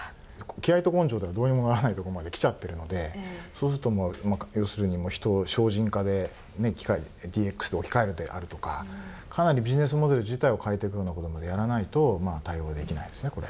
気合いと根性ではどうにもならないとこまできちゃってるのでそうすると、要するに人を省人化で機械ＤＸで置き換えるであるとかかなりビジネスモデル自体を変えていくようなことまでやらないと対応できないですね。